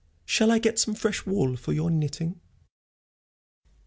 Shall I get some fresh wool for your knitting?"